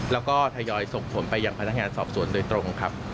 แล้วก็ทยอยส่งผลไปอย่างพนักงานสอบสวนโดยตรงครับ